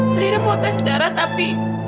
zairah mau tes darah tapi